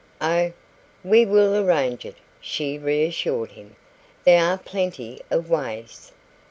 "Oh, we will arrange it!" she reassured him. "There are plenty of ways.